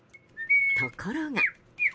ところが。